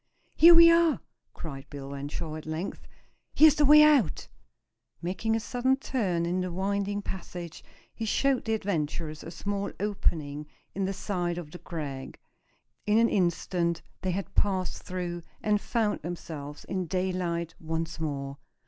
"Here we are!" cried Bill Renshaw at length. "Here's the way out!" Making a sudden turn in the winding passage he showed the adventurers a small opening in the side of the crag. In an instant they had passed through, and found themselves in daylight once more.